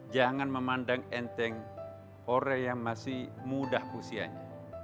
jangan memandang enteng orang yang masih muda usianya